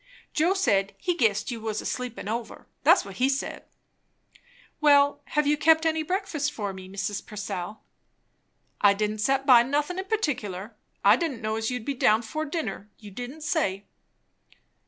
"Joe said, he guessed you was sleepin' over. That's what he said." "Well, have you kept any breakfast for me, Mrs. Purcell?" "I didn't set by nothin' in particular. I didn't know as you'd be down 'fore dinner. You didn't say."